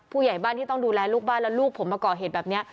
ผู้ใหญ่บ้านที่ต้องดูแลลูกบ้านแล้วลูกผมมาก่อเหตุแบบนี้